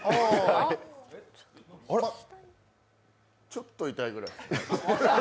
ちょっと痛いぐらい。